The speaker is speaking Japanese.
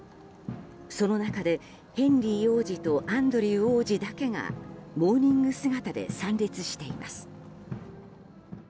その中で、ヘンリー王子とアンドリュー王子だけがモーニング姿で参列しています。